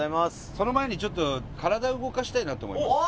その前にちょっと体動かしたいなと思いまして。